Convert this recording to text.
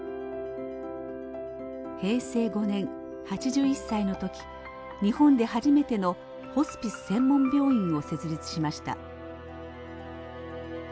平成５年８１歳の時日本で初めてのホスピス専門病院を設立しました。